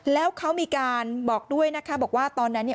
แล้วเขามีการบอกด้วยนะคะบอกว่าตอนนั้นเนี่ย